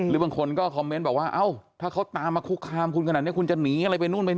บางคนก็คอมเมนต์บอกว่าเอ้าถ้าเขาตามมาคุกคามคุณขนาดนี้คุณจะหนีอะไรไปนู่นไปนี่